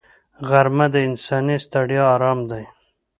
غرمه د انساني ستړیا آرام دی